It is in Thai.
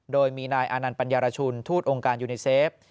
โดยมีนายอานันต์ปัญญารชุนทูตองค์การยูนิเซฟ